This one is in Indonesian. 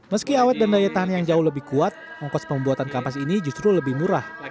meski awet dan daya tahan yang jauh lebih kuat ongkos pembuatan kampas ini justru lebih murah